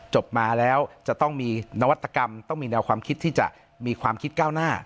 จบมาแล้วจะต้องมีนวัตกรรมต้องมีแนวความคิดที่จะมีความคิดก้าวหน้า